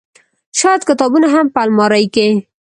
شايد کتابونه هم په المارۍ کې